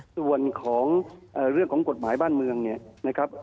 ส่วนของเรื่องของกฎหมายบ้านเมืองเนี่ยนะครับ